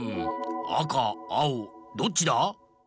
あかあおどっちだ？